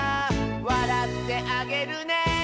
「わらってあげるね」